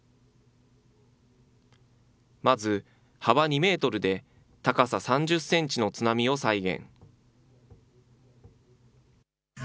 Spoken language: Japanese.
まず幅２メートルで高さ３０センチの津波を再現。